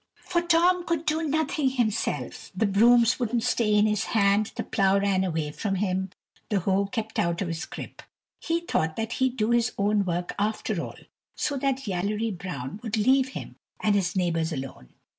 For Tom could do nothing himself; the brooms wouldn't stay in his hand, the plough ran away from him, the hoe kept out of his grip. He thought that he'd do his own work after all, so that Yallery Brown would leave him and his neighbours alone.